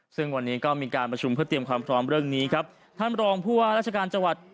ซึ่งวันนี้ก็มีการประชุมเพื่อเตรียมความพร้อมเรื่องนี้ครับท่านรองผู้ว่าราชการจังหวัด